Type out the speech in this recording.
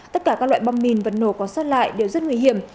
tất cả các loại bom mìn vẫn nổ còn xót lại đều rất nguy hiểm